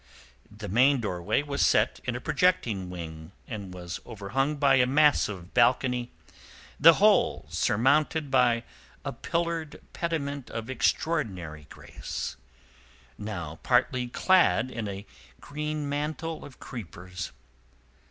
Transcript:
The main doorway was set in a projecting wing and was overhung by a massive balcony, the whole surmounted by a pillared pediment of extraordinary grace, now partly clad in a green mantle of creepers.